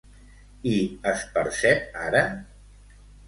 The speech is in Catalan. I es percep ara?